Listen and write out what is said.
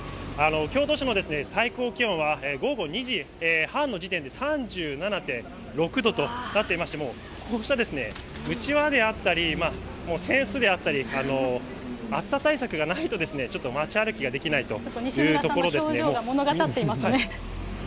京都市の最高気温は午後２時半の時点で、３７．６度となっていまして、もう、こうしたうちわであったり、扇子であったり、暑さ対策がないと、ちょっと街歩きができないというところですね。